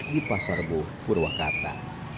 di pasar rebu purwakarta